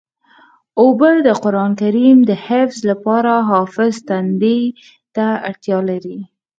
اوبه د قرآن کریم د حفظ لپاره حافظ تندې ته اړتیا لري.